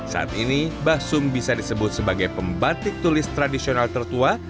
saat ini mbah sum bisa disebut sebagai pembatik tulis tradisional tertua